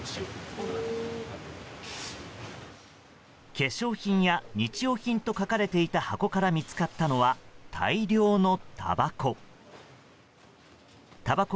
化粧品や日用品と書かれていた箱から見つかったのは大量のたばこ。